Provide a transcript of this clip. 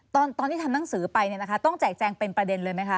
ตอนที่ทำหนังสือไปเนี่ยนะคะต้องแจกแจงเป็นประเด็นเลยไหมคะ